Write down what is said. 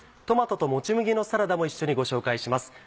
「トマトともち麦のサラダ」も一緒にご紹介します。